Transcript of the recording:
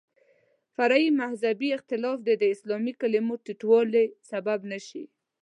فرعي مذهبي اختلاف دې د اسلامي کلمې ټیټوالي سبب نه شي.